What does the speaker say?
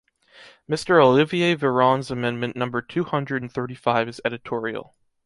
Mr. Olivier Véran’s amendment number two hundred and thirty-five is editorial.